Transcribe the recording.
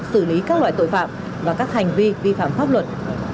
xử lý các loại tội phạm và các hành vi vi phạm pháp luật